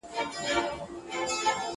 معلومیږي د بخت ستوری دي ختلی -